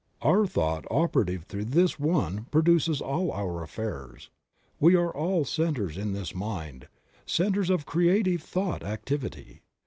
Our thought operative through this One produces all our affairs. We are all centers in this Mind, centers of creative thought activity.